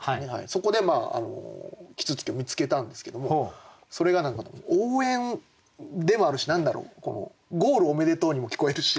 そこで啄木鳥を見つけたんですけどもそれが何か応援でもあるし何だろう「ゴールおめでとう」にも聞こえるし。